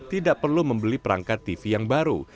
tidak perlu membeli perangkat tv yang baru